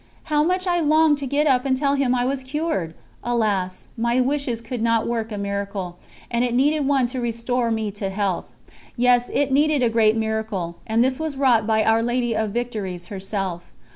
How much I longed to get up and tell him I was cured! Alas! my wishes could not work a miracle, and it needed one to restore me to health. Yes, it needed a great miracle, and this was wrought by Our Lady of Victories herself.